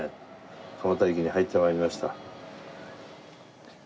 蒲田駅に入って参りました。